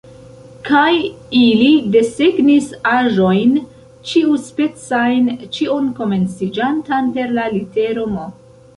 Kaj ili desegnis aĵojn ĉiuspecajn, ĉion komenciĝantan per la litero M.